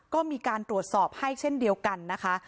ก็มีการตรวจสอบให้เช่นเดียวกันนะคะ